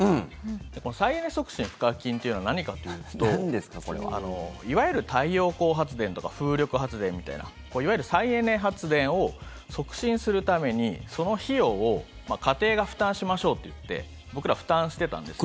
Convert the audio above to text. この再エネ促進賦課金というのは何かっていうといわゆる太陽光発電とか風力発電みたいないわゆる再エネ発電を促進するためにその費用を家庭が負担しましょうといって僕ら負担してたんですね。